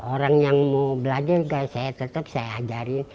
orang yang mau belajar juga saya tetap saya ajarin